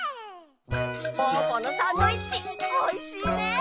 ぽぅぽのサンドイッチおいしいね。